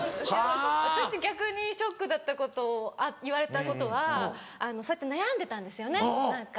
私逆にショックだったこと言われたことはそうやって悩んでたんですよね何か。